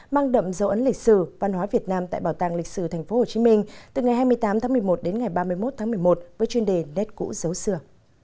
mang đậm dấu ấn lịch sử văn hóa việt nam tại bảo tàng lịch sử tp hcm từ ngày hai mươi tám tháng một mươi một đến ngày ba mươi một tháng một mươi một với chuyên đề nét cũ dấu xưa